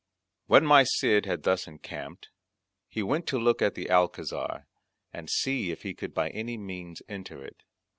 When my Cid had thus encamped, he went to look at the Alcazar, and see if he could by any means enter it.